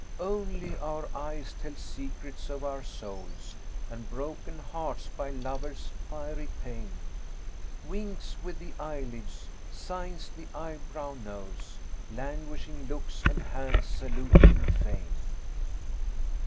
Only our eyes tell secrets of our souls, * And broken hearts by lovers' fiery pain; Winks with the eyelids, signs the eyebrow knows; * Languishing looks and hand saluting fain.'